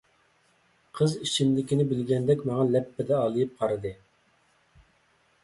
قىز ئىچىمدىكىنى بىلگەندەك ماڭا لەپپىدە ئالىيىپ قارىدى.